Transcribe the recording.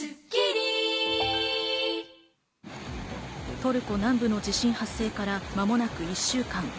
トルコ南部の地震発生から間もなく１週間。